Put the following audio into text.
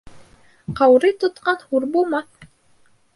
Ҡаурый тотҡан хур булмаҫ.